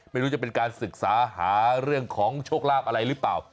ไม่รู้จะเป็นการศึกษาหาเรื่องของโชคลาภอะไรหรือเปล่า